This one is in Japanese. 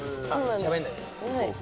しゃべんないで。